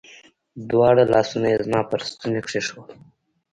دواړه لاسونه يې زما پر ستوني کښېښوول.